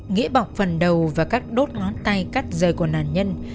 nghĩa bọc phần đầu và các đốt ngón tay cắt rời của nạn nhân